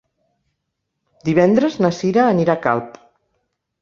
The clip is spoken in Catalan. Divendres na Cira anirà a Calp.